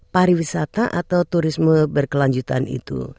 pariwisata atau turisme berkelanjutan itu